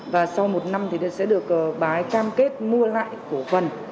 và sau một năm thì sẽ được bái cam kết mua lại cổ phần